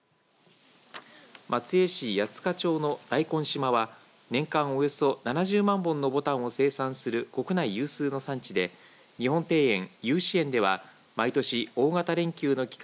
松江市八束町の大根島は年間およそ７０万本のぼたんを生産する国内有数の産地で日本庭園由志園では毎年大型連休の期間